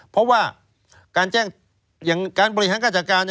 เพราะว่าการแจ้งอย่างการบริหารการจัดการ